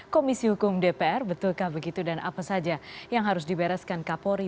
komisi hukum dpr betulkah begitu dan apa saja yang harus dibereskan kapolri